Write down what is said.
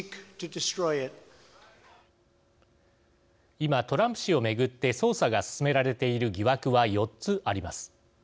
今トランプ氏を巡って捜査が進められている疑惑は４つあります。